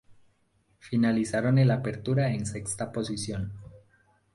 Finalizaron el Apertura en sexta posición.